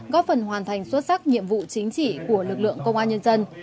góp phần hoàn thành xuất sắc nhiệm vụ chính trị của lực lượng công an nhân dân